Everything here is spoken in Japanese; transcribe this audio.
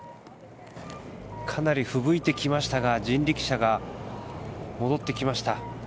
かなりふぶいてきましたが人力車が戻ってきました。